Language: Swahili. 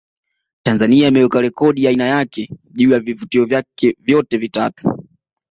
Tanzania imeweka rekodi ya aina yake juu ya vivutio vyake vyote vitatu